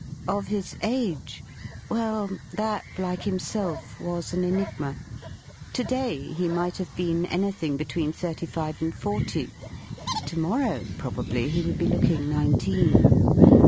Of his age well that, like himself, was an enigma. To day he might have been anything between thirty five and forty to morrow probably he would be looking nineteen.